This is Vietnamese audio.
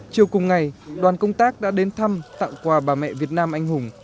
chiều cùng ngày đoàn công tác đã đến thăm tặng quà bà mẹ việt nam anh hùng